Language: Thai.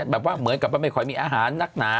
เหมือนกับว่าไม่ค่อยมีอาหารนักหนา